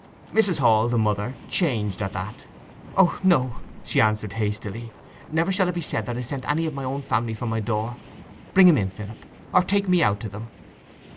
Mrs. Hall, the mother, changed at that. 'O no,' she answered hastily; 'never shall it be said that I sent any of my own family from my door. Bring 'em in, Philip, or take me out to them.